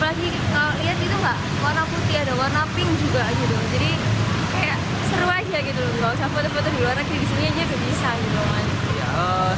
bukan foto foto di luar negri disunyinya tidak bisa gitu loh